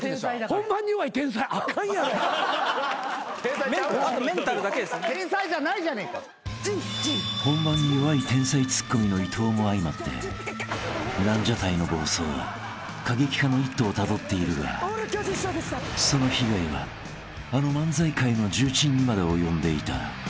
［本番に弱い天才ツッコミの伊藤も相まってランジャタイの暴走は過激化の一途をたどっているがその被害はあの漫才界の重鎮にまで及んでいた］